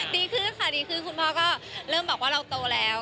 ดีขึ้นค่ะดีขึ้นคุณพ่อก็เริ่มบอกว่าเราโตแล้ว